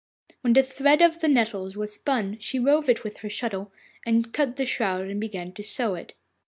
When the thread of the nettles was spun she wove it with her shuttle, and then cut the shroud and began to sew it.